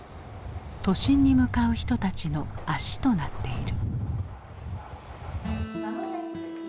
都心に向かう人たちの足となっている。